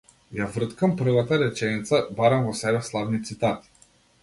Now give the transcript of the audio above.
Ја врткам првата реченица, барам во себе славни цитати.